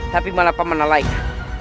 tapi malah paman nelaikan